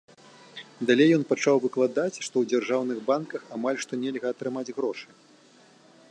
Далей ён пачаў выкладаць, што ў дзяржаўных банках амаль што нельга атрымаць грошы.